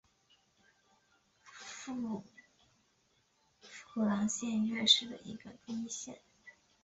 富良县是越南太原省下辖的一个县。